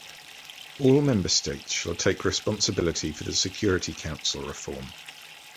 All Member States shall take responsibility for the Security Council reform.